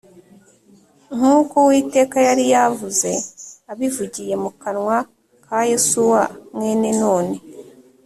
nk’uko Uwiteka yari yavuze abivugiye mu kanwa ka Yosuwa mwene Nuni